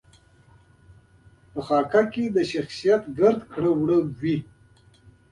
په خاکه کې د شخصیت ټول کړه وړه وي.